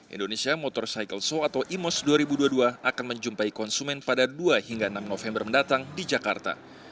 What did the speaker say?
indonesia motorcycle show atau imos dua ribu dua puluh dua akan menjumpai konsumen pada dua hingga enam november mendatang di jakarta